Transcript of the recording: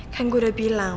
kan gue udah bilang